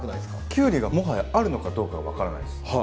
キュウリがもはやあるのかどうか分からないです。